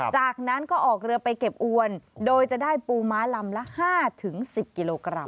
จากนั้นก็ออกเรือไปเก็บอวนโดยจะได้ปูม้าลำละ๕๑๐กิโลกรัม